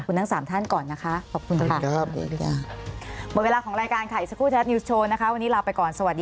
โปรดติดตามตอนต่อไป